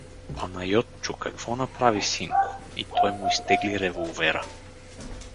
— Панайотчо, какво направи, синко? — И той му изтегли револвера.